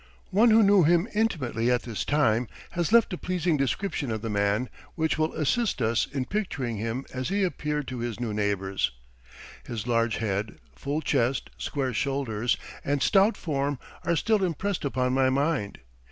One who knew him intimately at this time has left a pleasing description of the man, which will assist us in picturing him as he appeared to his new neighbors: "His large head, full chest, square shoulders, and stout form are still impressed upon my mind.